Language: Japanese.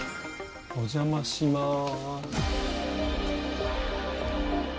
お邪魔します。